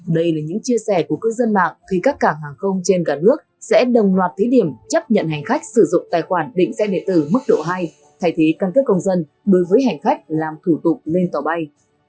đây là những chia sẻ của cư dân mạng khi các cảng hàng không trên cả nước sẽ đồng loạt thí điểm chấp nhận hành khách sử dụng tài khoản định xe điện tử mức độ hai thay thế căn cước công dân đối với hành khách làm thủ tục lên tàu bay